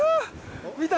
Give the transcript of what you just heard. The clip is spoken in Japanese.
見た？